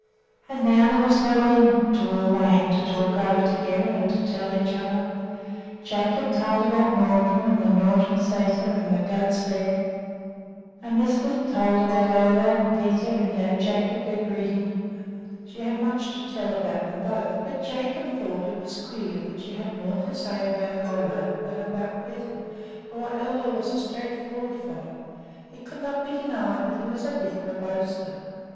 And now there was no end to all they had to talk over together and to tell each other. Jacob told about Nordrum and the Nordrum Sæter and the goats there; and Lisbeth told about Ole and Peter, and gave Jacob their greetings. She had much to tell about them both, but Jacob thought it was queer that she had more to say about Ole than about Peter; for while Ole was a straight forward fellow, it could not be denied that he was a bit of a boaster.